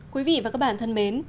quý vị và các bạn thân mến